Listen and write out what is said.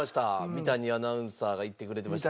三谷アナウンサーが行ってくれてました。